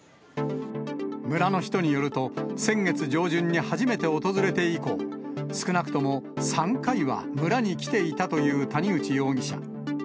村の人によると、先月上旬に初めて訪れて以降、少なくとも３回は村に来ていたという谷口容疑者。